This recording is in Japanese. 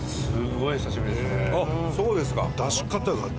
あっそうですか。